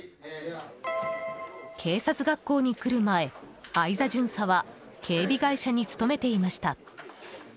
警察学校に来る前、相座巡査は警備会社に勤めていました。